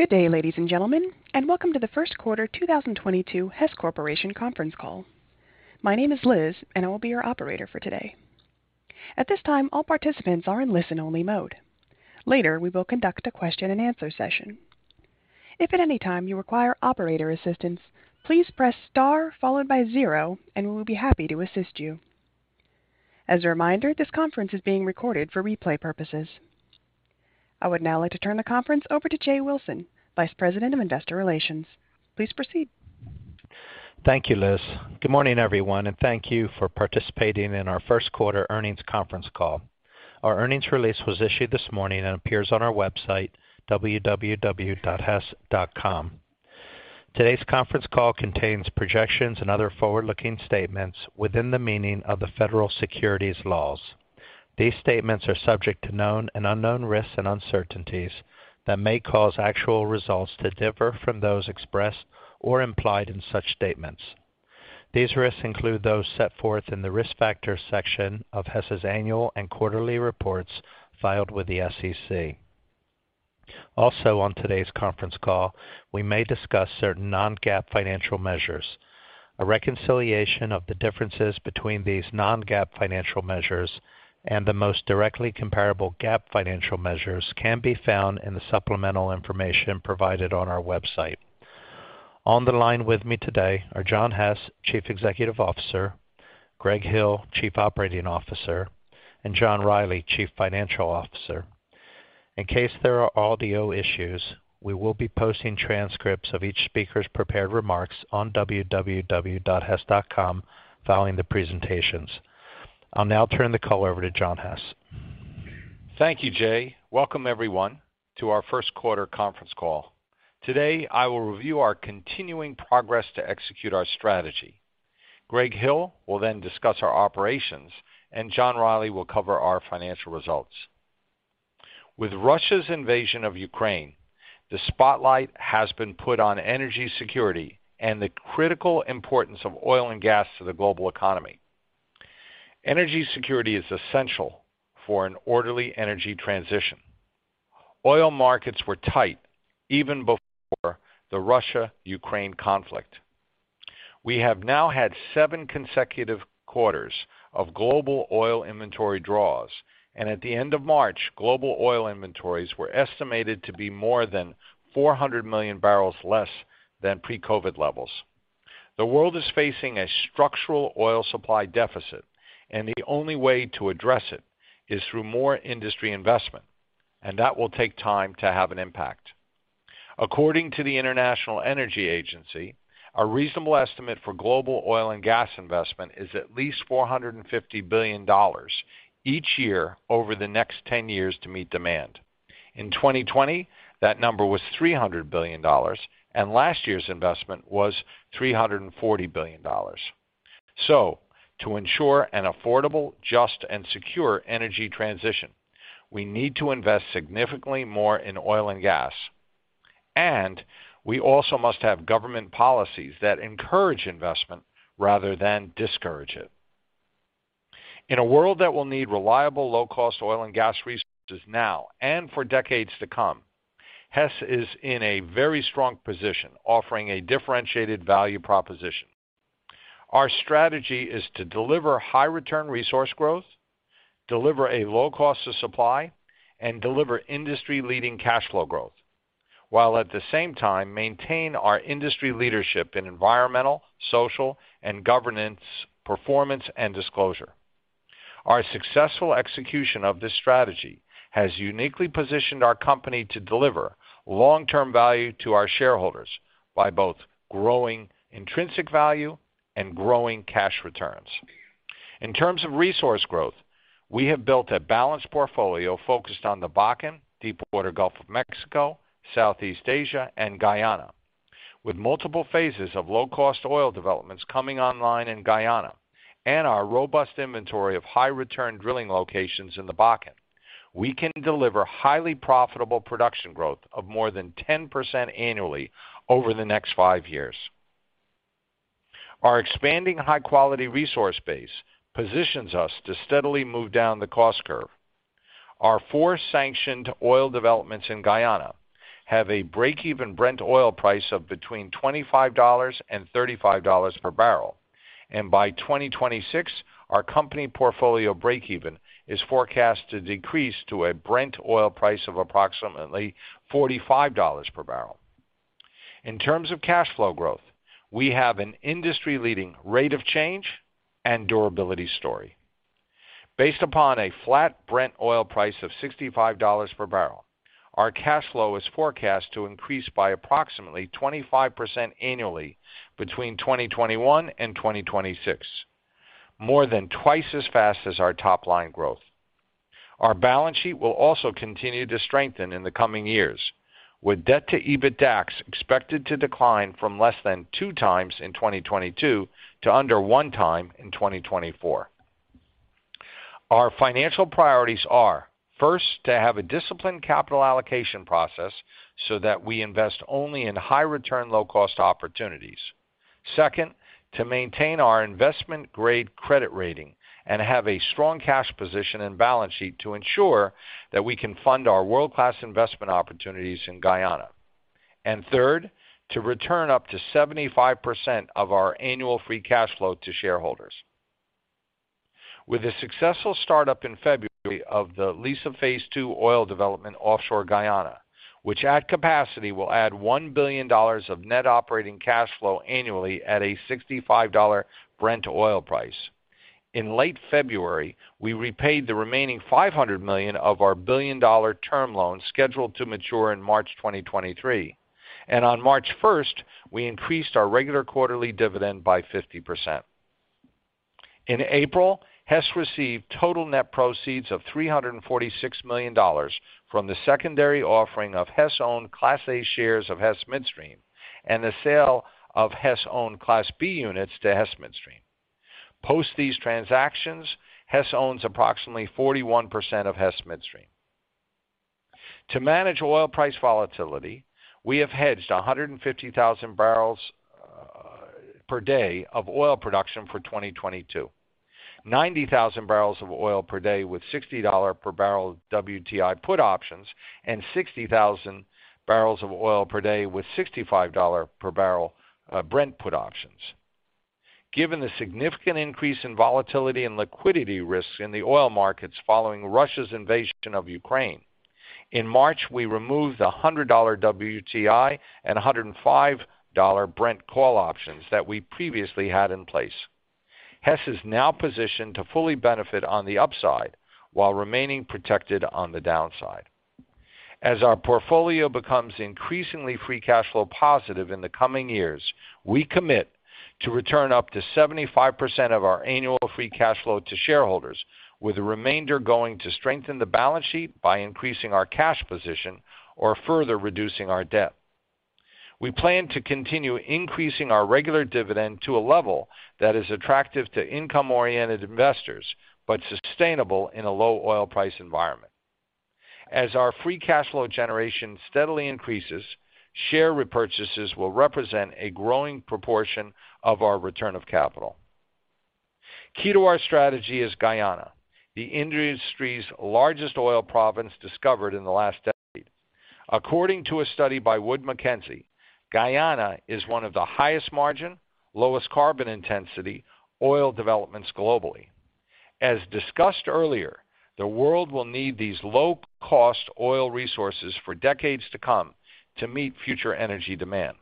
Good day, ladies and gentlemen, and welcome to the first quarter 2022 Hess Corporation conference call. My name is Liz, and I will be your operator for today. At this time, all participants are in listen-only mode. Later, we will conduct a question-and-answer session. If at any time you require operator assistance, please press star followed by zero, and we'll be happy to assist you. As a reminder, this conference is being recorded for replay purposes. I would now like to turn the conference over to Jay Wilson, Vice President of Investor Relations. Please proceed. Thank you, Liz. Good morning, everyone, and thank you for participating in our first quarter earnings conference call. Our earnings release was issued this morning and appears on our website, www.hess.com. Today's conference call contains projections and other forward-looking statements within the meaning of the federal securities laws. These statements are subject to known and unknown risks and uncertainties that may cause actual results to differ from those expressed or implied in such statements. These risks include those set forth in the Risk Factors section of Hess's annual and quarterly reports filed with the SEC. Also, on today's conference call, we may discuss certain non-GAAP financial measures. A reconciliation of the differences between these non-GAAP financial measures and the most directly comparable GAAP financial measures can be found in the supplemental information provided on our website. On the line with me today are John Hess, Chief Executive Officer, Greg Hill, Chief Operating Officer, and John Rielly, Chief Financial Officer. In case there are audio issues, we will be posting transcripts of each speaker's prepared remarks on www.hess.com following the presentations. I'll now turn the call over to John Hess. Thank you, Jay. Welcome, everyone, to our first quarter conference call. Today, I will review our continuing progress to execute our strategy. Greg Hill will then discuss our operations, and John Rielly will cover our financial results. With Russia's invasion of Ukraine, the spotlight has been put on energy security and the critical importance of oil and gas to the global economy. Energy security is essential for an orderly energy transition. Oil markets were tight even before the Russia-Ukraine conflict. We have now had seven consecutive quarters of global oil inventory draws, and at the end of March, global oil inventories were estimated to be more than 400 million barrels less than pre-COVID levels. The world is facing a structural oil supply deficit, and the only way to address it is through more industry investment, and that will take time to have an impact. According to the International Energy Agency, a reasonable estimate for global oil and gas investment is at least $450 billion each year over the next 10 years to meet demand. In 2020, that number was $300 billion, and last year's investment was $340 billion. To ensure an affordable, just, and secure energy transition, we need to invest significantly more in oil and gas, and we also must have government policies that encourage investment rather than discourage it. In a world that will need reliable, low-cost oil and gas resources now and for decades to come, Hess is in a very strong position, offering a differentiated value proposition. Our strategy is to deliver high return resource growth, deliver a low cost of supply, and deliver industry-leading cash flow growth, while at the same time maintain our industry leadership in environmental, social, and governance performance and disclosure. Our successful execution of this strategy has uniquely positioned our company to deliver long-term value to our shareholders by both growing intrinsic value and growing cash returns. In terms of resource growth, we have built a balanced portfolio focused on the Bakken, Deepwater Gulf of Mexico, Southeast Asia, and Guyana. With multiple phases of low-cost oil developments coming online in Guyana and our robust inventory of high return drilling locations in the Bakken, we can deliver highly profitable production growth of more than 10% annually over the next five years. Our expanding high-quality resource base positions us to steadily move down the cost curve. Our four sanctioned oil developments in Guyana have a break-even Brent oil price of between $25 and $35 per barrel. By 2026, our company portfolio break-even is forecast to decrease to a Brent oil price of approximately $45 per barrel. In terms of cash flow growth, we have an industry-leading rate of change and durability story. Based upon a flat Brent oil price of $65 per barrel, our cash flow is forecast to increase by approximately 25% annually between 2021 and 2026, more than twice as fast as our top-line growth. Our balance sheet will also continue to strengthen in the coming years, with debt-to-EBITDAX expected to decline from less than 2x in 2022 to under 1x in 2024. Our financial priorities are, first, to have a disciplined capital allocation process so that we invest only in high-return, low-cost opportunities. Second, to maintain our investment-grade credit rating and have a strong cash position and balance sheet to ensure that we can fund our world-class investment opportunities in Guyana. Third, to return up to 75% of our annual free cash flow to shareholders. With a successful startup in February of the Liza Phase II oil development offshore Guyana, which at capacity will add $1 billion of net operating cash flow annually at a $65 Brent oil price. In late February, we repaid the remaining $500 million of our $1 billion term loan scheduled to mature in March 2023. On March 1st, we increased our regular quarterly dividend by 50%. In April, Hess received total net proceeds of $346 million from the secondary offering of Hess owned Class A shares of Hess Midstream and the sale of Hess owned Class B units to Hess Midstream. Post these transactions, Hess owns approximately 41% of Hess Midstream. To manage oil price volatility, we have hedged 150,000 bbl per day of oil production for 2022, 90,000 bbl of oil per day with $60 per barrel WTI put options and 60,000 bbl of oil per day with $65 per barrel Brent put options. Given the significant increase in volatility and liquidity risks in the oil markets following Russia's invasion of Ukraine, in March, we removed $100 WTI and $105 Brent call options that we previously had in place. Hess is now positioned to fully benefit on the upside while remaining protected on the downside. As our portfolio becomes increasingly free cash flow positive in the coming years, we commit to return up to 75% of our annual free cash flow to shareholders, with the remainder going to strengthen the balance sheet by increasing our cash position or further reducing our debt. We plan to continue increasing our regular dividend to a level that is attractive to income-oriented investors, but sustainable in a low oil price environment. As our free cash flow generation steadily increases, share repurchases will represent a growing proportion of our return of capital. Key to our strategy is Guyana, the industry's largest oil province discovered in the last decade. According to a study by Wood Mackenzie, Guyana is one of the highest margin, lowest carbon intensity oil developments globally. As discussed earlier, the world will need these low cost oil resources for decades to come to meet future energy demand.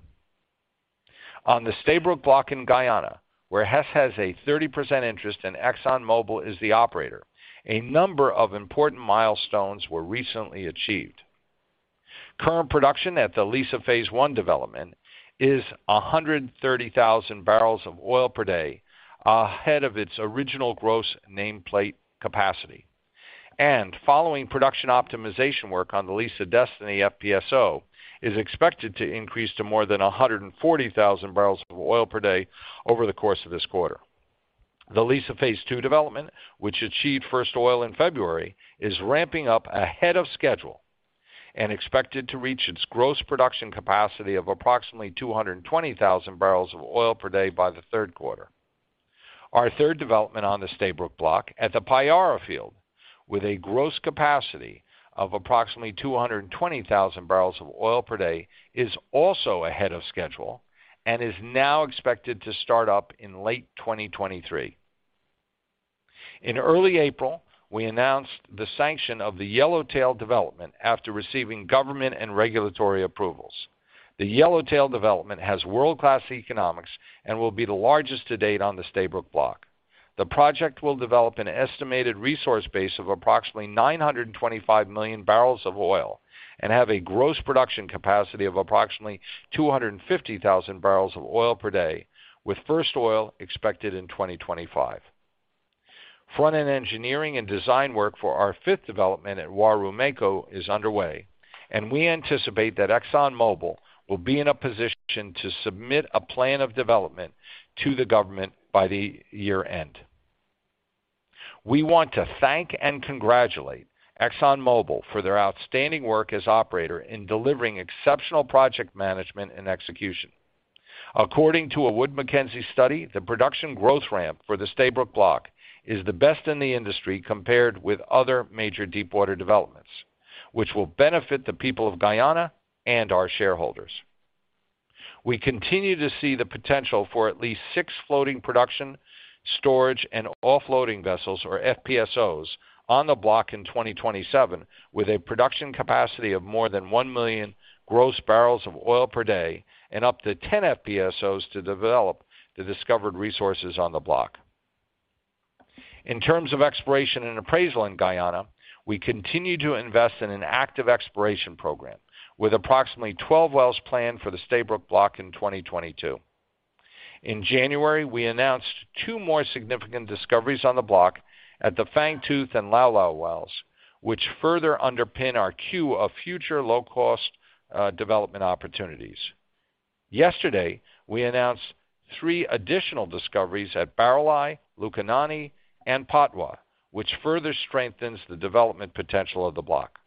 On the Stabroek Block in Guyana, where Hess has a 30% interest and ExxonMobil is the operator, a number of important milestones were recently achieved. Current production at the Liza phase II development is 130,000 bbl of oil per day, ahead of its original gross nameplate capacity. Following production optimization work on the Liza Destiny FPSO is expected to increase to more than 140,000 bbl of oil per day over the course of this quarter. The Liza phase II development, which achieved first oil in February, is ramping up ahead of schedule and expected to reach its gross production capacity of approximately 220,000 bbl of oil per day by the third quarter. Our third development on the Stabroek Block at the Payara field, with a gross capacity of approximately 220,000 bbl of oil per day, is also ahead of schedule and is now expected to start up in late 2023. In early April, we announced the sanction of the Yellowtail development after receiving government and regulatory approvals. The Yellowtail development has world-class economics and will be the largest to-date on the Stabroek Block. The project will develop an estimated resource base of approximately 925 million barrels of oil and have a gross production capacity of approximately 250,000 bbl of oil per day, with first oil expected in 2025. Front-end engineering and design work for our fifth development at Uaru is underway, and we anticipate that ExxonMobil will be in a position to submit a plan of development to the government by the year-end. We want to thank and congratulate ExxonMobil for their outstanding work as operator in delivering exceptional project management and execution. According to a Wood Mackenzie study, the production growth ramp for the Stabroek Block is the best in the industry compared with other major deepwater developments, which will benefit the people of Guyana and our shareholders. We continue to see the potential for at least six floating production, storage, and offloading vessels, or FPSOs, on the block in 2027, with a production capacity of more than 1 million gross barrels of oil per day and up to 10 FPSOs to develop the discovered resources on the block. In terms of exploration and appraisal in Guyana, we continue to invest in an active exploration program with approximately 12 wells planned for the Stabroek Block in 2022. In January, we announced two more significant discoveries on the block at the Fangtooth and Lau Lau wells, which further underpin our queue of future low cost development opportunities. Yesterday, we announced three additional discoveries at Barreleye, Lukanani, and Patwa, which further strengthens the development potential of the block.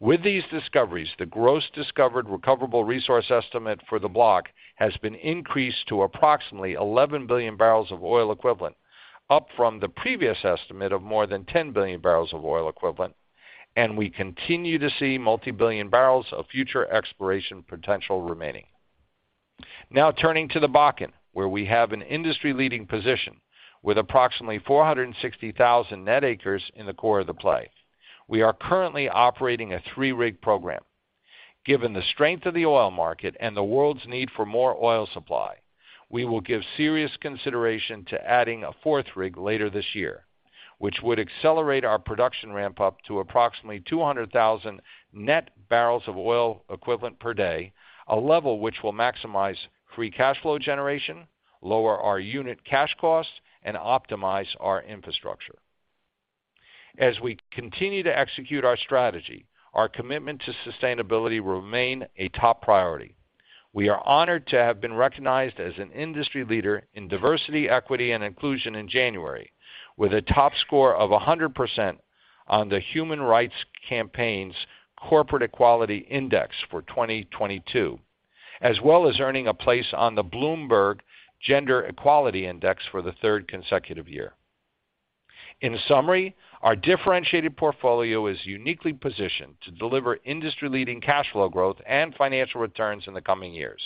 With these discoveries, the gross discovered recoverable resource estimate for the block has been increased to approximately 11 billion barrels of oil equivalent, up from the previous estimate of more than 10 billion barrels of oil equivalent, and we continue to see multi-billion barrels of future exploration potential remaining. Now turning to the Bakken, where we have an industry-leading position with approximately 460,000 net acres in the core of the play. We are currently operating a three-rig program. Given the strength of the oil market and the world's need for more oil supply, we will give serious consideration to adding a fourth rig later this year, which would accelerate our production ramp up to approximately 200,000 net barrels of oil equivalent per day, a level which will maximize free cash flow generation, lower our unit cash costs, and optimize our infrastructure. As we continue to execute our strategy, our commitment to sustainability will remain a top priority. We are honored to have been recognized as an industry leader in diversity, equity, and inclusion in January with a top score of 100% on the Human Rights Campaign's Corporate Equality Index for 2022, as well as earning a place on the Bloomberg Gender-Equality Index for the third consecutive year. In summary, our differentiated portfolio is uniquely positioned to deliver industry-leading cash flow growth and financial returns in the coming years.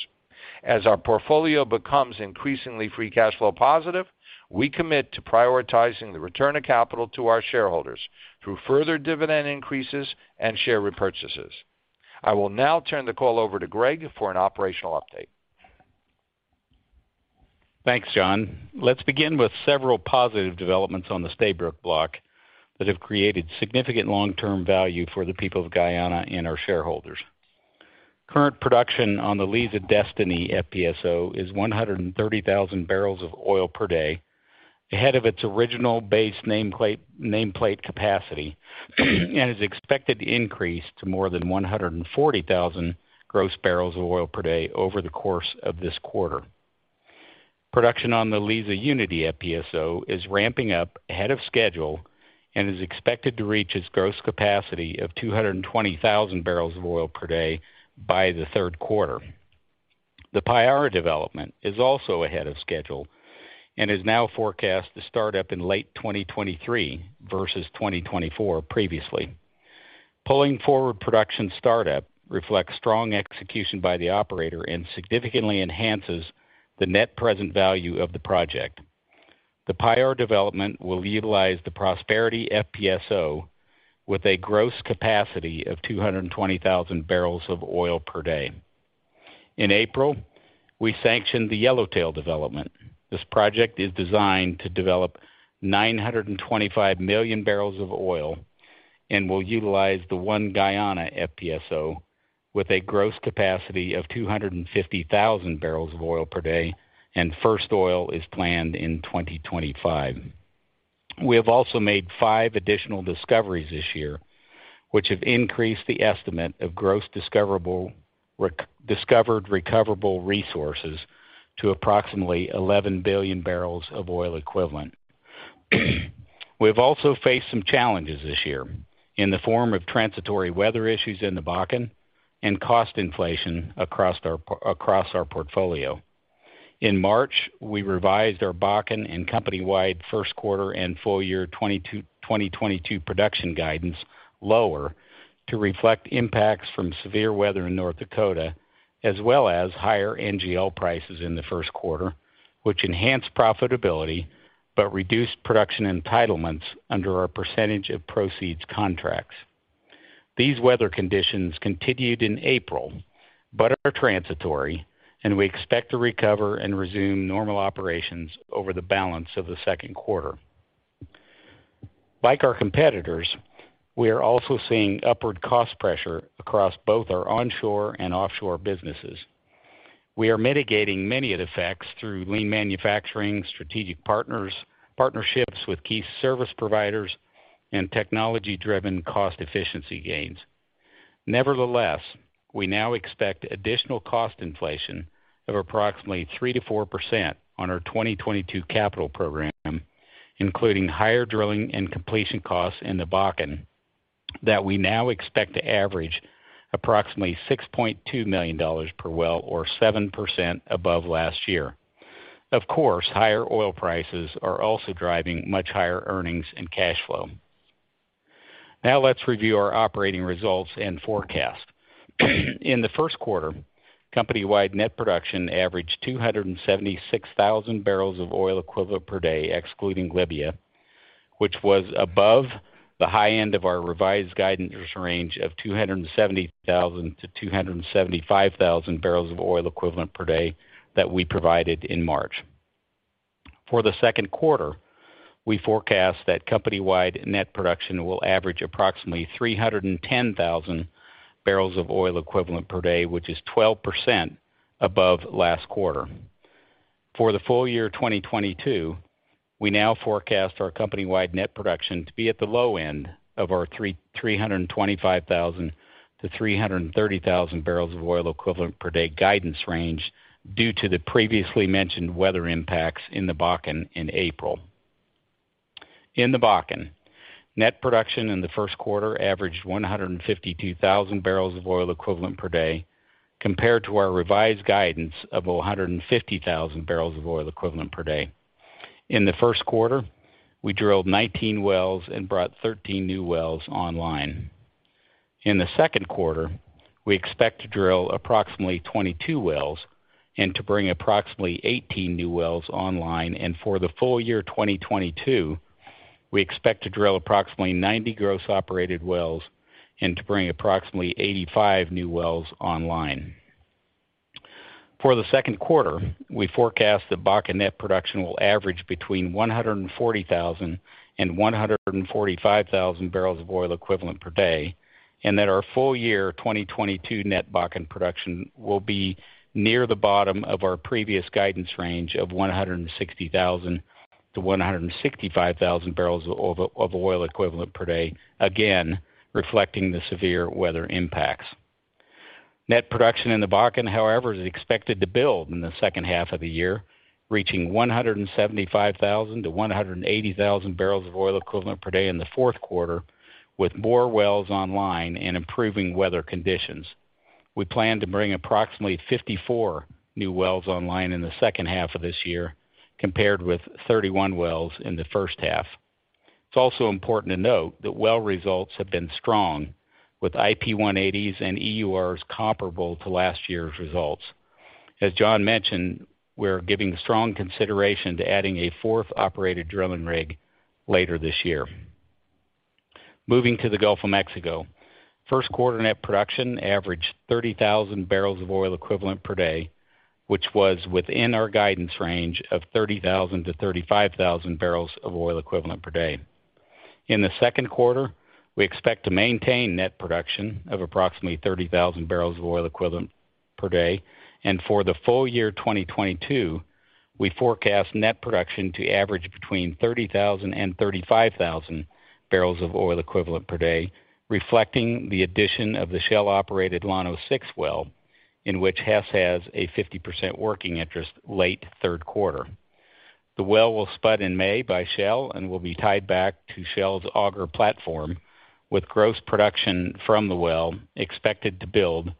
As our portfolio becomes increasingly free cash flow positive, we commit to prioritizing the return of capital to our shareholders through further dividend increases and share repurchases. I will now turn the call over to Greg for an operational update. Thanks, John. Let's begin with several positive developments on the Stabroek Block that have created significant long-term value for the people of Guyana and our shareholders. Current production on the Liza Destiny FPSO is 130,000 bbl of oil per day, ahead of its original base nameplate capacity and is expected to increase to more than 140,000 gross barrels of oil per day over the course of this quarter. Production on the Liza Unity FPSO is ramping up ahead of schedule and is expected to reach its gross capacity of 220,000 bbl of oil per day by the third quarter. The Payara development is also ahead of schedule and is now forecast to start up in late 2023 versus 2024 previously. Pulling forward production startup reflects strong execution by the operator and significantly enhances the net present value of the project. The Payara development will utilize the Prosperity FPSO with a gross capacity of 220,000 bbl of oil per day. In April, we sanctioned the Yellowtail development. This project is designed to develop 925 million barrels of oil and will utilize the ONE GUYANA FPSO with a gross capacity of 250,000 bbl of oil per day, and first oil is planned in 2025. We have also made five additional discoveries this year, which have increased the estimate of discovered recoverable resources to approximately 11 billion barrels of oil equivalent. We have also faced some challenges this year in the form of transitory weather issues in the Bakken and cost inflation across our portfolio. In March, we revised our Bakken and company-wide first quarter and full year 2022 production guidance lower to reflect impacts from severe weather in North Dakota, as well as higher NGL prices in the first quarter, which enhanced profitability but reduced production entitlements under our percentage of proceeds contracts. These weather conditions continued in April, but are transitory, and we expect to recover and resume normal operations over the balance of the second quarter. Like our competitors, we are also seeing upward cost pressure across both our onshore and offshore businesses. We are mitigating many of the effects through lean manufacturing, strategic partnerships with key service providers and technology-driven cost efficiency gains. Nevertheless, we now expect additional cost inflation of approximately 3%-4% on our 2022 capital program, including higher drilling and completion costs in the Bakken that we now expect to average approximately $6.2 million per well or 7% above last year. Of course, higher oil prices are also driving much higher earnings and cash flow. Now let's review our operating results and forecast. In the first quarter, company-wide net production averaged 276,000 bbl of oil equivalent per day, excluding Libya, which was above the high end of our revised guidance range of 270,000 bbl-275,000 bbl of oil equivalent per day that we provided in March. For the second quarter, we forecast that company-wide net production will average approximately 310,000 bbl of oil equivalent per day, which is 12% above last quarter. For the full year 2022, we now forecast our company-wide net production to be at the low end of our 325,000 bbl -330,000 bbl of oil equivalent per day guidance range due to the previously mentioned weather impacts in the Bakken in April. In the Bakken, net production in the first quarter averaged 152,000 bbl of oil equivalent per day, compared to our revised guidance of 150,000 bbl of oil equivalent per day. In the first quarter, we drilled 19 wells and brought 13 new wells online. In the second quarter, we expect to drill approximately 22 wells and to bring approximately 18 new wells online. For the full year, 2022, we expect to drill approximately 90 gross operated wells and to bring approximately 85 new wells online. For the second quarter, we forecast that Bakken net production will average between 140,000 bbl and 145,000 bbl of oil equivalent per day, and that our full year 2022 net Bakken production will be near the bottom of our previous guidance range of 160,000 bbl-165,000 bbl of oil equivalent per day. Again, reflecting the severe weather impacts. Net production in the Bakken, however, is expected to build in the second half of the year, reaching 175,000 bbl to 180,000 bbl of oil equivalent per day in the fourth quarter. With more wells online and improving weather conditions, we plan to bring approximately 54 new wells online in the second half of this year, compared with 31 wells in the first half. It's also important to note that well results have been strong, with IP 180s and EURs comparable to last year's results. As John mentioned, we're giving strong consideration to adding a fourth operated drilling rig later this year. Moving to the Gulf of Mexico. First quarter net production averaged 30,000 bbl of oil equivalent per day, which was within our guidance range of 30,000 bbl-35,000 bbl of oil equivalent per day. In the second quarter, we expect to maintain net production of approximately 30,000 bbl of oil equivalent per day. For the full year 2022, we forecast net production to average between 30,000 bbl and 35,000 bbl of oil equivalent per day, reflecting the addition of the Shell operated Llano-6 well, in which Hess has a 50% working interest late third quarter. The well will spud in May by Shell and will be tied back to Shell's Auger platform, with gross production from the well expected to build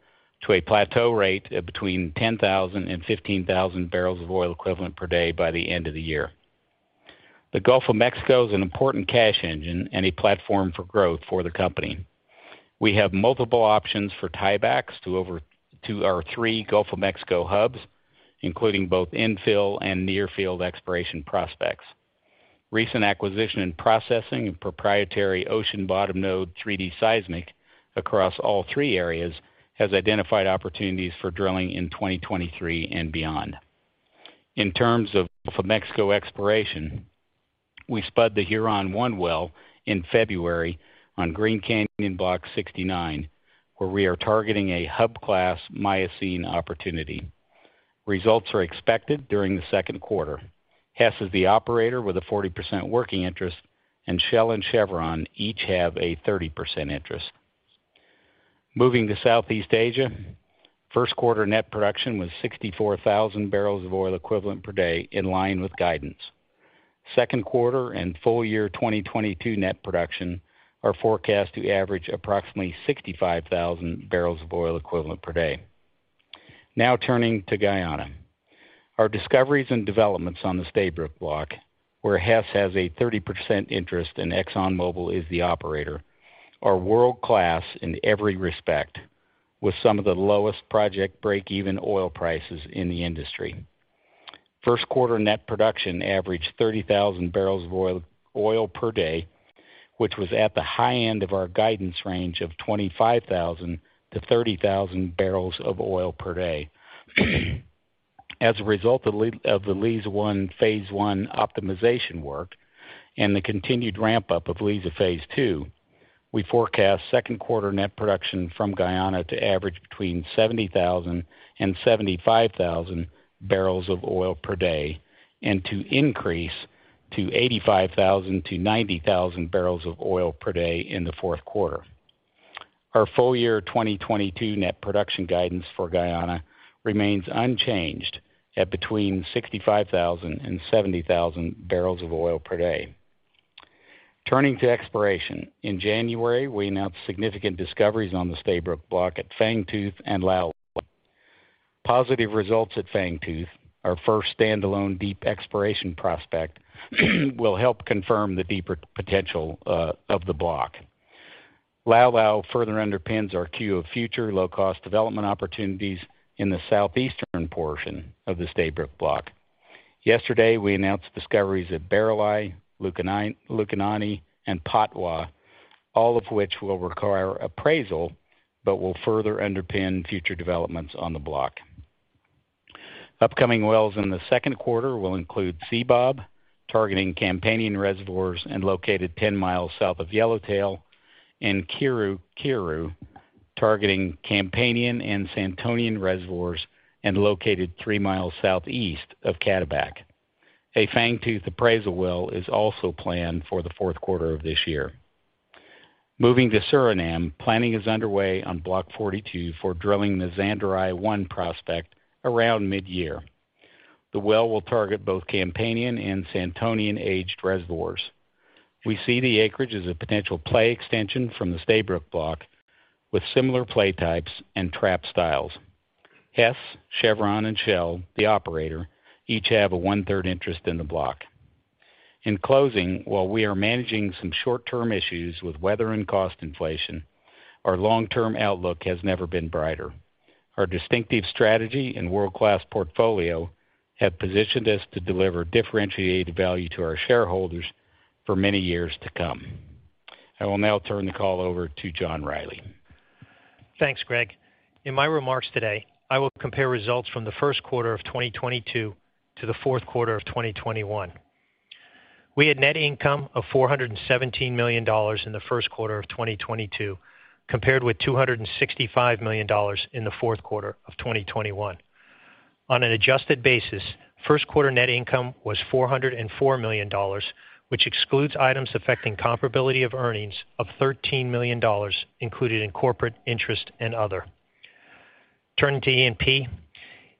to a plateau rate of between 10,000 bbl and 15,000 bbl of oil equivalent per day by the end of the year. The Gulf of Mexico is an important cash engine and a platform for growth for the company. We have multiple options for tiebacks to our three Gulf of Mexico hubs, including both infill and near field exploration prospects. Recent acquisition and processing of proprietary ocean bottom node 3D seismic across all three areas has identified opportunities for drilling in 2023 and beyond. In terms of Mexico exploration, we spud the Huron 1 well in February on Green Canyon Block 69, where we are targeting a hub class Miocene opportunity. Results are expected during the second quarter. Hess is the operator with a 40% working interest, and Shell and Chevron each have a 30% interest. Moving to Southeast Asia. First quarter net production was 64,000 bbl of oil equivalent per day, in line with guidance. Second quarter and full year 2022 net production are forecast to average approximately 65,000 bbl of oil equivalent per day. Now turning to Guyana. Our discoveries and developments on the Stabroek Block, where Hess has a 30% interest in ExxonMobil is the operator, are world class in every respect, with some of the lowest project break even oil prices in the industry. First quarter net production averaged 30,000 bbl of oil per day, which was at the high end of our guidance range of 25,000 bbl-30,000 bbl of oil per day. As a result of the Liza phase I optimization work and the continued ramp up of Liza phase II, we forecast second quarter net production from Guyana to average between 70,000 bbl-75,000 bbl of oil per day and to increase to 85,000 bbl-90,000 bbl of oil per day in the fourth quarter. Our full year 2022 net production guidance for Guyana remains unchanged at between 65,000 bbl and 70,000 bbl of oil per day. Turning to exploration. In January, we announced significant discoveries on the Stabroek Block at Fangtooth and Lau Lau. Positive results at Fangtooth, our first standalone deep exploration prospect, will help confirm the deeper potential of the block. Lau Lau further underpins our queue of future low cost development opportunities in the southeastern portion of the Stabroek Block. Yesterday, we announced discoveries at Barreleye, Lukanani, and Patwa, all of which will require appraisal but will further underpin future developments on the block. Upcoming wells in the second quarter will include Seabob, targeting Campanian reservoirs and located 10 miles south of Yellowtail, and Kiru-Kiru, targeting Campanian and Santonian reservoirs and located 3 mi southeast of Cataback. A Fangtooth appraisal well is also planned for the fourth quarter of this year. Moving to Suriname, planning is underway on Block 42 for drilling the Zanderij-1 prospect around mid-year. The well will target both Campanian and Santonian aged reservoirs. We see the acreage as a potential play extension from the Stabroek Block, with similar play types and trap styles. Hess, Chevron and Shell, the operator, each have a one-third interest in the block. In closing, while we are managing some short-term issues with weather and cost inflation, our long-term outlook has never been brighter. Our distinctive strategy and world-class portfolio have positioned us to deliver differentiated value to our shareholders for many years to come. I will now turn the call over to John Rielly. Thanks, Greg. In my remarks today, I will compare results from the first quarter of 2022 to the fourth quarter of 2021. We had net income of $417 million in the first quarter of 2022, compared with $265 million in the fourth quarter of 2021. On an adjusted basis, first quarter net income was $404 million, which excludes items affecting comparability of earnings of $13 million included in corporate interest and other. Turning to E&P.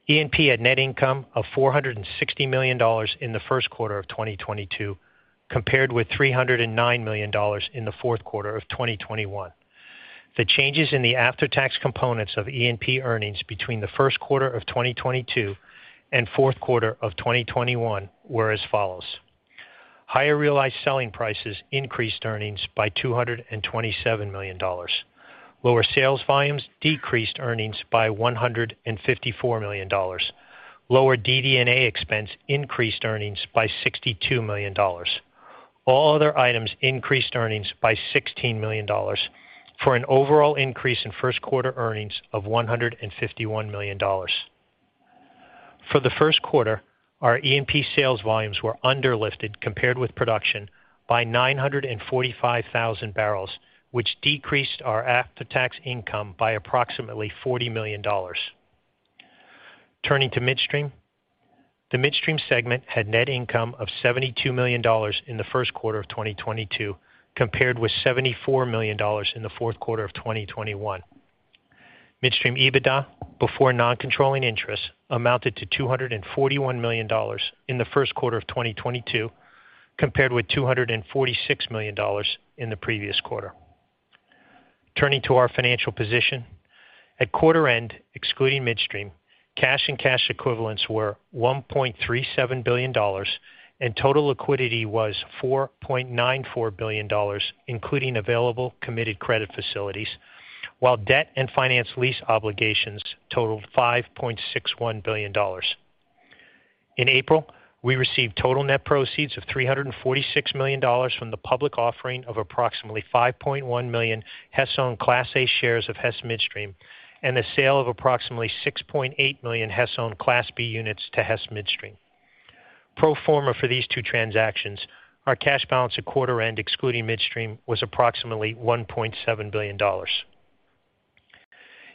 E&P had net income of $460 million in the first quarter of 2022, compared with $309 million in the fourth quarter of 2021. The changes in the after-tax components of E&P earnings between the first quarter of 2022 and fourth quarter of 2021 were as follows: Higher realized selling prices increased earnings by $227 million. Lower sales volumes decreased earnings by $154 million. Lower DD&A expense increased earnings by $62 million. All other items increased earnings by $16 million for an overall increase in first quarter earnings of $151 million. For the first quarter, our E&P sales volumes were underlifted compared with production by 945,000 bbl, which decreased our after-tax income by approximately $40 million. Turning to Midstream. The Midstream segment had net income of $72 million in the first quarter of 2022, compared with $74 million in the fourth quarter of 2021. Midstream EBITDA before non-controlling interest amounted to $241 million in the first quarter of 2022, compared with $246 million in the previous quarter. Turning to our financial position. At quarter end, excluding Midstream, cash and cash equivalents were $1.37 billion, and total liquidity was $4.94 billion, including available committed credit facilities, while debt and finance lease obligations totaled $5.61 billion. In April, we received total net proceeds of $346 million from the public offering of approximately $5.1 million Hess-owned Class A shares of Hess Midstream and the sale of approximately $6.8 million Hess-owned Class B units to Hess Midstream. Pro forma for these two transactions, our cash balance at quarter end, excluding Midstream, was approximately $1.7 billion.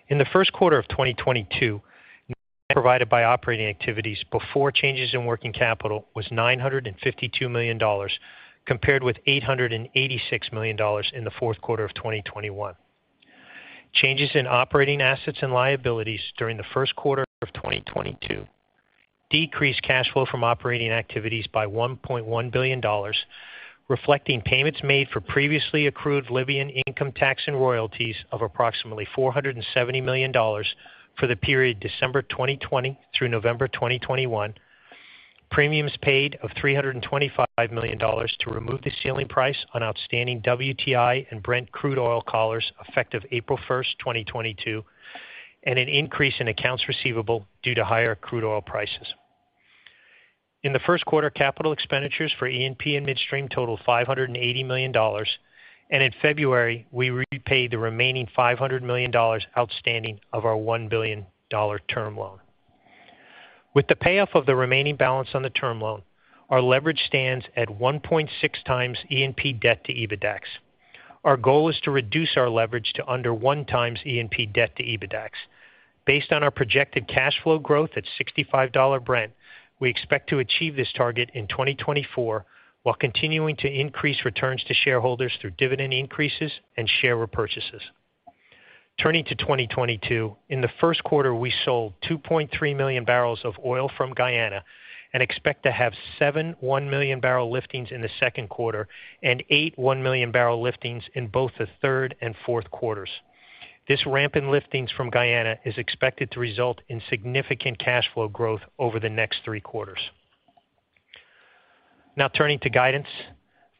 In the first quarter of 2022, net provided by operating activities before changes in working capital was $952 million, compared with $886 million in the fourth quarter of 2021. Changes in operating assets and liabilities during the first quarter of 2022 decreased cash flow from operating activities by $1.1 billion, reflecting payments made for previously accrued Libyan income tax and royalties of approximately $470 million for the period December 2020 through November 2021, premiums paid of $325 million to remove the ceiling price on outstanding WTI and Brent crude oil collars effective April 1st, 2022, and an increase in accounts receivable due to higher crude oil prices. In the first quarter, capital expenditures for E&P and Midstream totaled $580 million, and in February, we repaid the remaining $500 million outstanding of our $1 billion term loan. With the payoff of the remaining balance on the term loan, our leverage stands at 1.6x E&P debt to EBITDAX. Our goal is to reduce our leverage to under 1x E&P debt to EBITDAX. Based on our projected cash flow growth at $65 Brent, we expect to achieve this target in 2024, while continuing to increase returns to shareholders through dividend increases and share repurchases. Turning to 2022. In the first quarter, we sold 2.3 million barrels of oil from Guyana and expect to have seven 1-million-barrel liftings in the second quarter and eight 1-million-barrel liftings in both the third and fourth quarters. This rampant liftings from Guyana is expected to result in significant cash flow growth over the next three quarters. Now turning to guidance.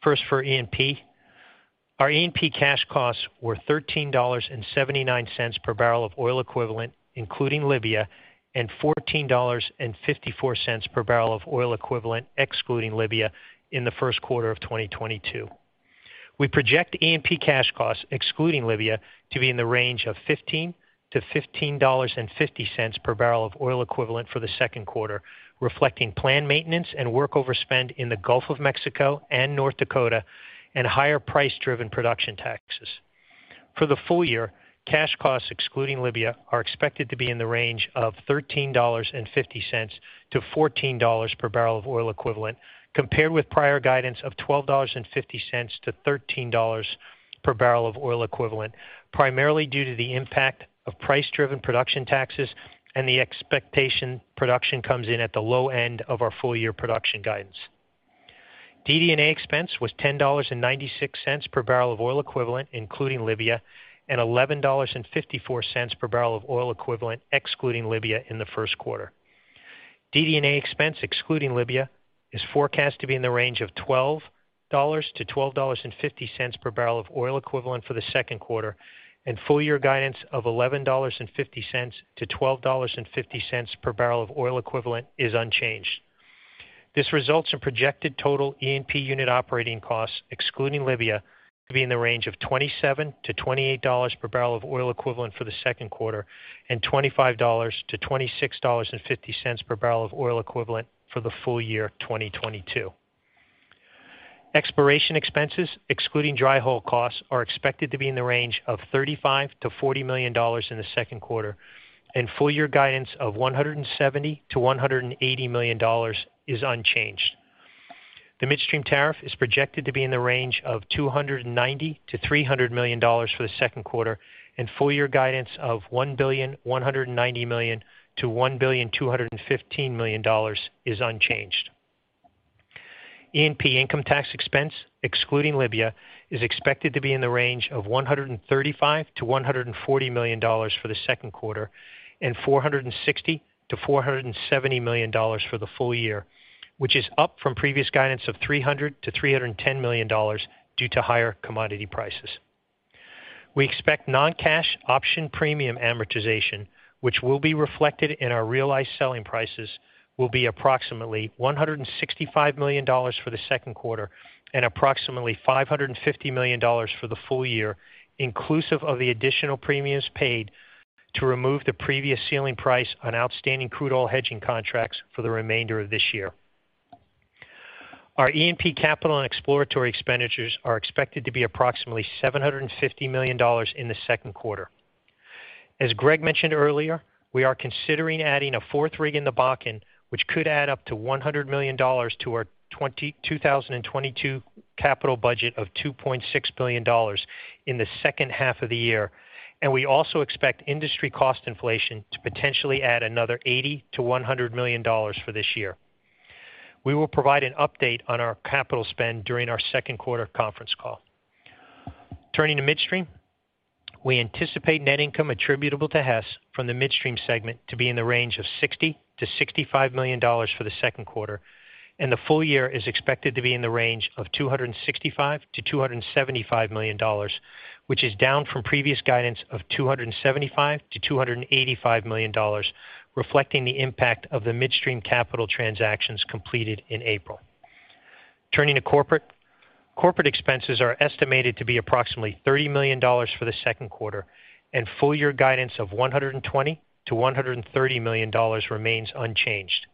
First, for E&P. Our E&P cash costs were $13.79 per barrel of oil equivalent, including Libya, and $14.54 per barrel of oil equivalent, excluding Libya, in the first quarter of 2022. We project E&P cash costs, excluding Libya, to be in the range of $15-$15.50 per barrel of oil equivalent for the second quarter, reflecting planned maintenance and work overspend in the Gulf of Mexico and North Dakota and higher price-driven production taxes. For the full year, cash costs excluding Libya are expected to be in the range of $13.50-$14 per barrel of oil equivalent, compared with prior guidance of $12.50-$13 per barrel of oil equivalent, primarily due to the impact of price-driven production taxes and the expectation production comes in at the low end of our full year production guidance. DD&A expense was $10.96 per barrel of oil equivalent, including Libya, and $11.54 per barrel of oil equivalent excluding Libya in the first quarter. DD&A expense excluding Libya is forecast to be in the range of $12-$12.50 per barrel of oil equivalent for the second quarter, and full year guidance of $11.50-$12.50 per barrel of oil equivalent is unchanged. This results in projected total E&P unit operating costs, excluding Libya, to be in the range of $27-$28 per barrel of oil equivalent for the second quarter, and $25-$26.50 per barrel of oil equivalent for the full year 2022. Exploration expenses, excluding dry hole costs, are expected to be in the range of $35 million-$40 million in the second quarter, and full-year guidance of $170 million-$180 million is unchanged. The midstream tariff is projected to be in the range of $290 million-$300 million for the second quarter, and full-year guidance of $1.19 billion-$1.215 billion is unchanged. E&P income tax expense, excluding Libya, is expected to be in the range of $135 million-$140 million for the second quarter and $460 million-$470 million for the full year, which is up from previous guidance of $300 million-$310 million due to higher commodity prices. We expect non-cash option premium amortization, which will be reflected in our realized selling prices, will be approximately $165 million for the second quarter and approximately $550 million for the full year, inclusive of the additional premiums paid to remove the previous ceiling price on outstanding crude oil hedging contracts for the remainder of this year. Our E&P capital and exploratory expenditures are expected to be approximately $750 million in the second quarter. As Greg mentioned earlier, we are considering adding a fourth rig in the Bakken, which could add up to $100 million to our 2022 capital budget of $2.6 billion in the second half of the year. We also expect industry cost inflation to potentially add another $80 million-$100 million for this year. We will provide an update on our capital spend during our second quarter conference call. Turning to midstream. We anticipate net income attributable to Hess from the midstream segment to be in the range of $60-$65 million for the second quarter, and the full year is expected to be in the range of $265-$275 million, which is down from previous guidance of $275-$285 million, reflecting the impact of the midstream capital transactions completed in April. Turning to corporate. Corporate expenses are estimated to be approximately $30 million for the second quarter, and full year guidance of $120-$130 million remains unchanged.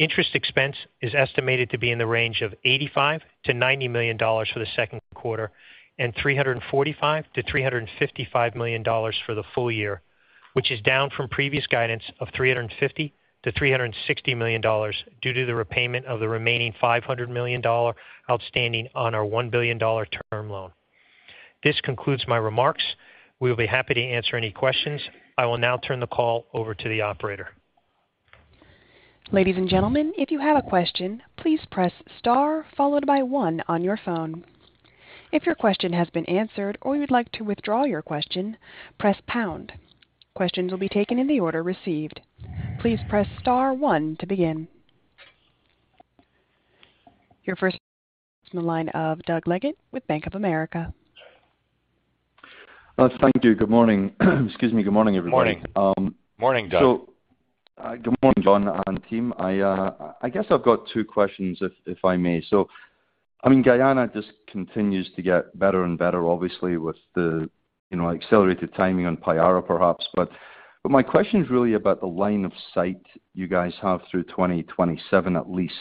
Interest expense is estimated to be in the range of $85-$90 million for the second quarter and $345-$355 million for the full year, which is down from previous guidance of $350-$360 million due to the repayment of the remaining $500 million outstanding on our $1 billion term loan. This concludes my remarks. We will be happy to answer any questions. I will now turn the call over to the operator. Ladies and gentlemen, if you have a question, please press star followed by one on your phone. If your question has been answered or you'd like to withdraw your question, press pound. Questions will be taken in the order received. Please press star one to begin. Your first in the line of Doug Leggate with Bank of America. Thank you. Good morning. Excuse me. Good morning, everybody. Morning. Morning, Doug. Good morning, John and team. I guess I've got two questions, if I may. I mean, Guyana just continues to get better and better, obviously, with the, you know, accelerated timing on Payara, perhaps. But my question is really about the line of sight you guys have through 2027 at least.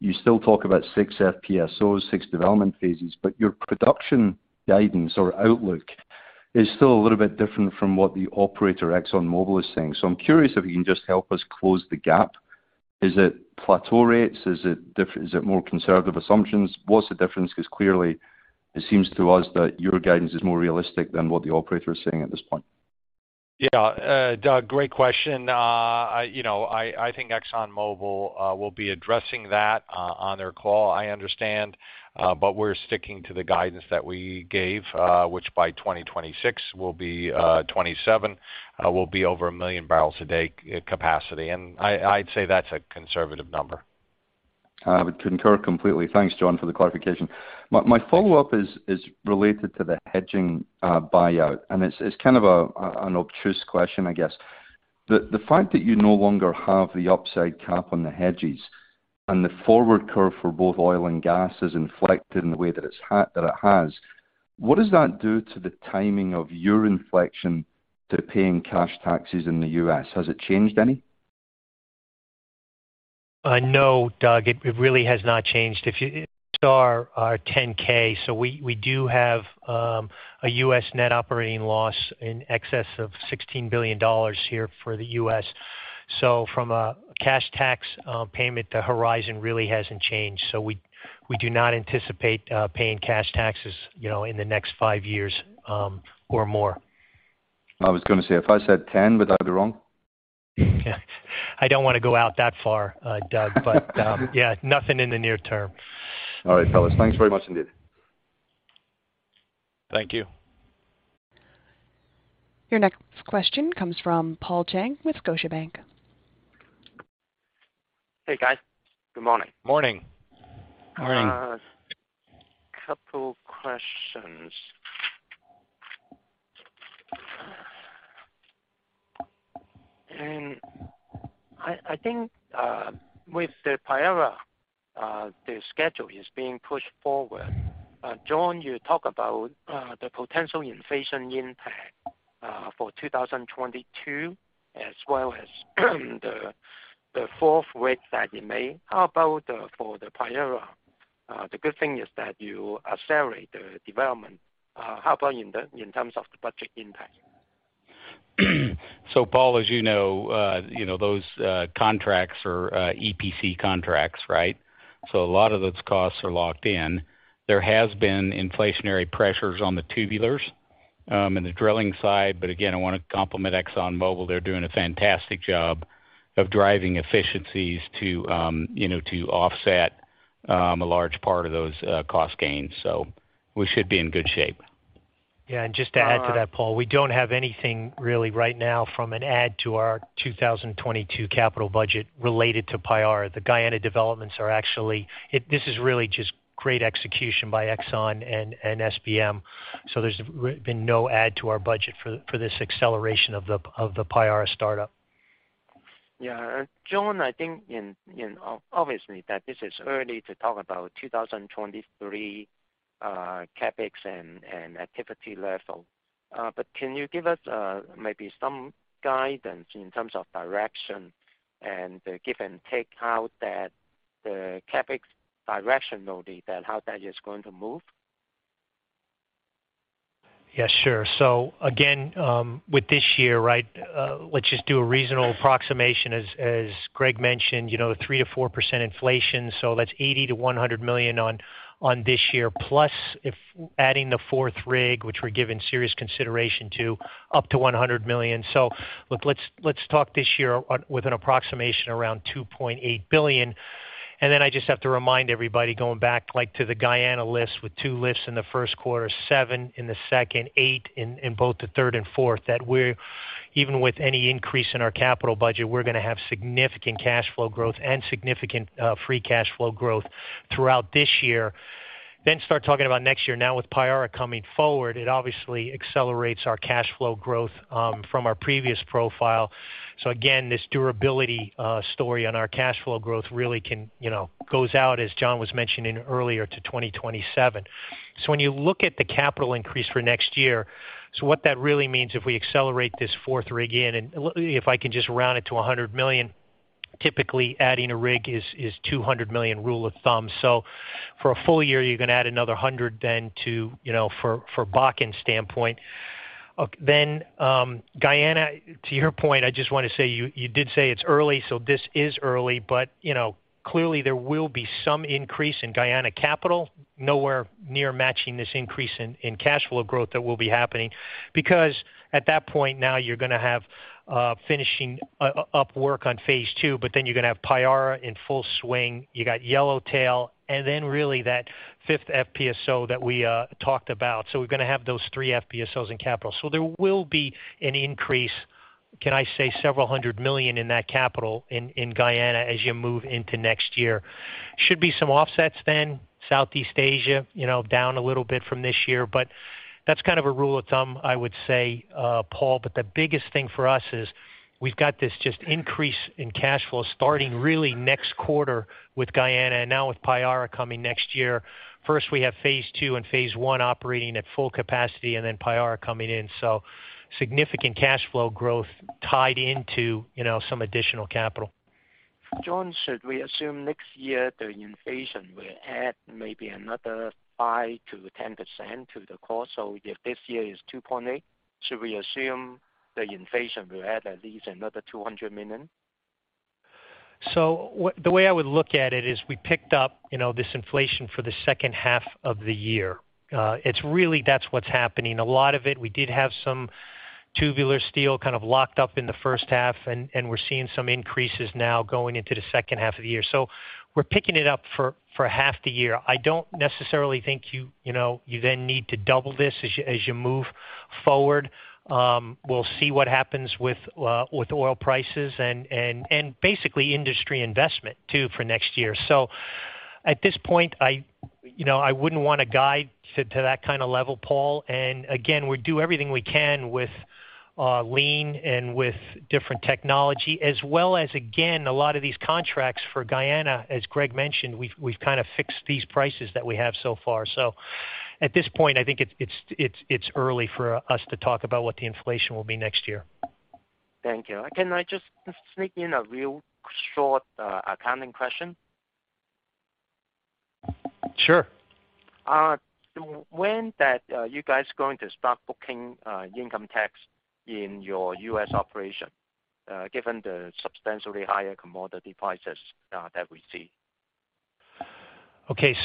You still talk about six FPSOs, six development phases, but your production guidance or outlook is still a little bit different from what the operator, ExxonMobil, is saying. I'm curious if you can just help us close the gap. Is it plateau rates? Is it more conservative assumptions? What's the difference? Because clearly it seems to us that your guidance is more realistic than what the operator is saying at this point. Yeah, Doug, great question. You know, I think ExxonMobil will be addressing that on their call, I understand. But we're sticking to the guidance that we gave, which by 2027 will be over 1 million barrels a day capacity. I'd say that's a conservative number. I would concur completely. Thanks, John, for the clarification. My follow-up is related to the hedging buyout. It's kind of an obtuse question, I guess. The fact that you no longer have the upside cap on the hedges and the forward curve for both oil and gas is inflected in the way that it has. What does that do to the timing of your inflection to paying cash taxes in the US? Has it changed any? No, Doug, it really has not changed. If you stare at our 10-K. We do have a U.S. net operating loss in excess of $16 billion here for the U.S. From a cash tax payment, the horizon really hasn't changed. We do not anticipate paying cash taxes, you know, in the next five years or more. I was gonna say, if I said 10, would I be wrong? I don't wanna go out that far, Doug. Yeah, nothing in the near term. All right, fellas. Thanks very much indeed. Thank you. Your next question comes from Paul Cheng with Scotiabank. Hey, guys. Good morning. Morning. Morning. Couple questions. I think with the Payara the schedule is being pushed forward. John, you talk about the potential inflation impact for 2022, as well as the fourth rig that you made. How about for the Payara? The good thing is that you accelerate the development. How about in terms of the budget impact? Paul, as you know, you know those contracts are EPC contracts, right? A lot of those costs are locked in. There has been inflationary pressures on the tubulars in the drilling side, but again, I wanna compliment ExxonMobil. They're doing a fantastic job of driving efficiencies to you know, to offset a large part of those cost gains. We should be in good shape. Yeah. Just to add to that, Paul, we don't have anything really right now from an add to our 2022 capital budget related to Payara. The Guyana developments are actually. This is really just great execution by Exxon and SBM. There's really been no add to our budget for this acceleration of the Payara startup. Yeah. John, I think obviously that this is early to talk about 2023 CapEx and activity level. Can you give us maybe some guidance in terms of direction and give an outlook on that, the CapEx directionally then how that is going to move? Yeah, sure. Again, with this year, right? Let's just do a reasonable approximation. As Greg mentioned, you know, 3%-4% inflation, so that's $80 million-$100 million on this year, plus if adding the fourth rig, which we're giving serious consideration to, up to $100 million. Look, let's talk this year on with an approximation around $2.8 billion. Then I just have to remind everybody going back, like, to the Guyana lifts with two lifts in the first quarter, seven in the second, eight in both the third and fourth, that we're even with any increase in our capital budget, we're gonna have significant cash flow growth and significant free cash flow growth throughout this year. Start talking about next year. Now with Payara coming forward, it obviously accelerates our cash flow growth from our previous profile. Again, this durability story on our cash flow growth really can, you know, goes out, as John was mentioning earlier, to 2027. When you look at the capital increase for next year, what that really means if we accelerate this fourth rig in, and if I can just round it to $100 million, typically adding a rig is $200 million, rule of thumb. For a full year, you're gonna add another $100 million then to, you know, for Bakken standpoint. Guyana, to your point, I just wanna say you did say it's early, so this is early. You know, clearly there will be some increase in Guyana capital, nowhere near matching this increase in cash flow growth that will be happening. At that point now you're gonna have finishing up work on phase II, but then you're gonna have Payara in full swing. You got Yellowtail, and then really that fifth FPSO that we talked about. We're gonna have those three FPSOs in capital. There will be an increase, can I say several hundred million in that capital in Guyana as you move into next year. Should be some offsets then. Southeast Asia, you know, down a little bit from this year, but that's kind of a rule of thumb, I would say, Paul, but the biggest thing for us is we've got this just increase in cash flow starting really next quarter with Guyana and now with Payara coming next year. First, we have phase II and phase II operating at full capacity and then Payara coming in. Significant cash flow growth tied into, you know, some additional capital. John, should we assume next year the inflation will add maybe another 5%-10% to the cost? If this year is $2.8, should we assume the inflation will add at least another $200 million? The way I would look at it is we picked up, you know, this inflation for the second half of the year. It's really, that's what's happening. A lot of it, we did have some tubular steel kind of locked up in the first half and we're seeing some increases now going into the second half of the year. We're picking it up for half the year. I don't necessarily think, you know, you then need to double this as you move forward. We'll see what happens with oil prices and basically industry investment too for next year. At this point, you know, I wouldn't wanna guide to that kinda level, Paul. Again, we do everything we can with lean and with different technology as well as, again, a lot of these contracts for Guyana, as Greg mentioned, we've kind of fixed these prices that we have so far. So at this point, I think it's early for us to talk about what the inflation will be next year. Thank you. Can I just sneak in a real short, accounting question? Sure. When are you guys going to stop booking income tax in your US operation, given the substantially higher commodity prices that we see? Okay.